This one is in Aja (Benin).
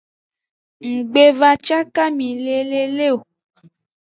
Nggbevacakami le lele o.